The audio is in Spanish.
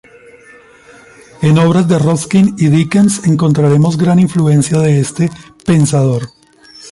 En obras de Ruskin y Dickens encontraremos gran influencia de este pensador.